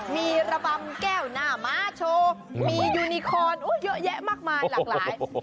มีระบำแก้วหน้าม้าโชว์มียูนิคอนเยอะแยะมากมายหลากหลาย